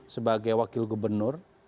sebagai wakil gubernur